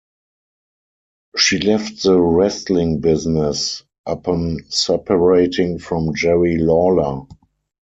She left the wrestling business upon separating from Jerry Lawler.